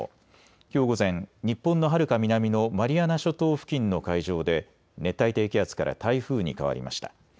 きょう午前、日本のはるか南のマリアナ諸島付近の海上で熱帯低気圧から台風に変わりました。